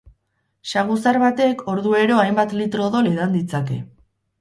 Saguzar batek orduero hainbat litro odol edan ditzake.